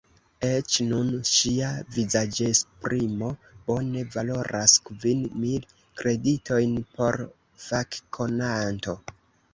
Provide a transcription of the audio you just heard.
Eĉ nun, ŝia vizaĝesprimo bone valoras kvin mil kreditojn por fakkonanto.